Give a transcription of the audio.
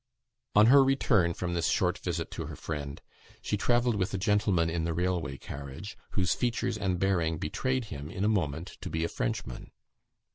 On her return from this short visit to her friend, she travelled with a gentleman in the railway carriage, whose features and bearing betrayed him, in a moment, to be a Frenchman.